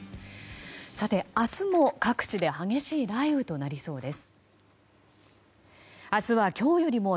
明日も各地で激しい雷雨となりそうです。